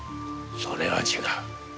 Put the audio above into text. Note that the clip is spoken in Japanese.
それは違う。